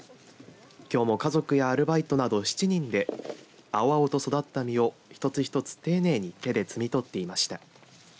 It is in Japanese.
きょうも家族やアルバイトなど７人で青々と育った実を一つ一つ丁寧に手で摘み取っていました。